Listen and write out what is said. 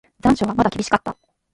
残暑はまだ厳しかった。